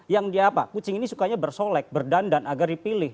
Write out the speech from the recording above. yang dia apa kucing ini sukanya bersolek berdandan agar dipilih